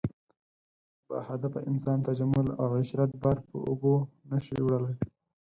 باهدفه انسان تجمل او عشرت بار په اوږو نه شي وړلی.